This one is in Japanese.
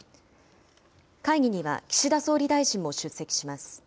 会議には岸田総理大臣も出席します。